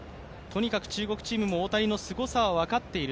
中国チームも大谷のすごさは分かっている。